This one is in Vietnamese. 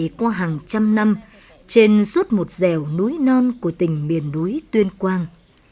tuyên quang là một trong số ít những tỉnh có hàng trăm năm trên suốt một dẻo núi non của tỉnh miền núi tuyên quang